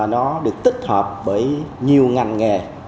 nó được tích hợp bởi nhiều ngành nghề